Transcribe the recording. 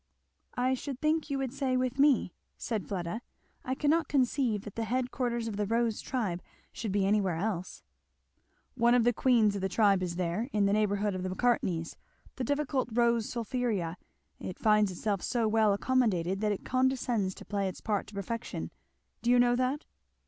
"I should think you would say 'with me'," said Fleda. "I cannot conceive that the head quarters of the Rose tribe should be anywhere else." "One of the queens of the tribe is there, in the neighbourhood of the Macartneys the difficult Rosa sulphurea it finds itself so well accommodated that it condescends to play its part to perfection. Do you know that?"